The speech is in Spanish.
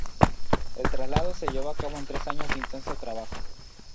El traslado se llevó a cabo en tres años de intenso trabajo.